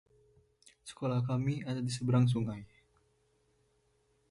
Sekolah kami ada di seberang sungai.